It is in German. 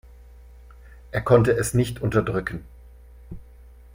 Er konnte es nicht unterdrücken.